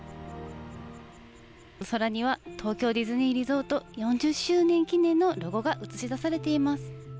お空には東京ディズニーリゾート４０周年記念のロゴが映し出されています。